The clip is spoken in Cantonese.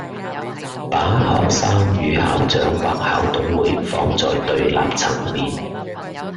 把學生與校長或校董會放在對立層面